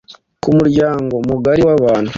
ku muryango mugari w’abantu.